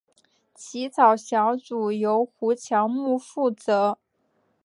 起草小组由胡乔木负责。